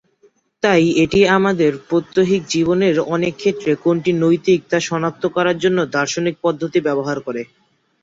তাই এটি আমাদের প্রাত্যহিক জীবনের অনেক ক্ষেত্রে কোনটি নৈতিক তা শনাক্ত করার জন্য দার্শনিক পদ্ধতি ব্যবহার করে।